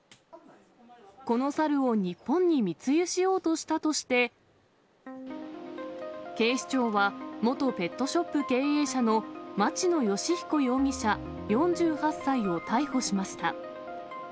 この猿を日本に密輸しようとしたとして、警視庁は、元ペットショップ経営者の町野義彦容疑者４８歳を逮捕しました。